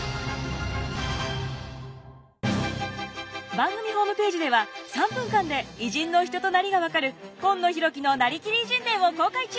番組ホームページでは３分間で偉人の人となりが分かる「今野浩喜のなりきり偉人伝」を公開中！